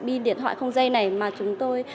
pin điện thoại không dây này mà chúng tôi